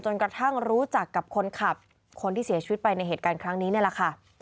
กระทั่งรู้จักกับคนขับคนที่เสียชีวิตไปในเหตุการณ์ครั้งนี้นี่แหละค่ะ